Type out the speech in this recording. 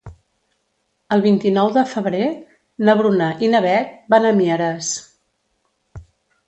El vint-i-nou de febrer na Bruna i na Beth van a Mieres.